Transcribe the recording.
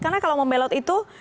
dan dari doti